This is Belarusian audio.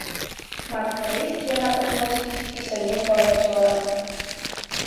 Шмат карысці яна прыносіць і самім валанцёрам.